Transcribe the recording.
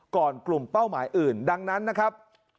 กลุ่มเป้าหมายอื่นดังนั้นนะครับ